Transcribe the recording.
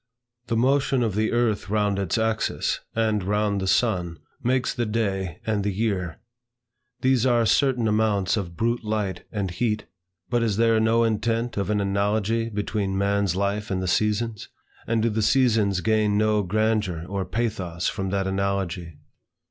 The motion of the earth round its axis, and round the sun, makes the day, and the year. These are certain amounts of brute light and heat. But is there no intent of an analogy between man's life and the seasons? And do the seasons gain no grandeur or pathos from that analogy?